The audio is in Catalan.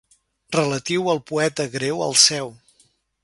Relatiu al poeta greu Alceu.